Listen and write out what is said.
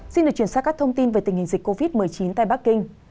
xin được chuyển sang các thông tin về tình hình dịch covid một mươi chín tại bắc kinh